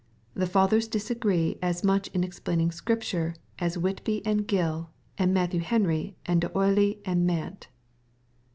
The Fathers disagree as much in explaining Scrip iure, as Whitby and Gill, or Matthew Henry and D'Oyly and Mant.